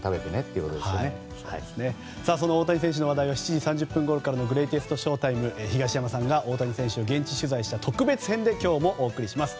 その大谷選手の話題は７時３０分ごろからのグレイテストＳＨＯ‐ＴＩＭＥで東山さんが大谷選手を現地取材した特別編で今日もお送りします。